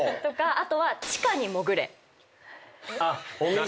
お店は地下に潜れ。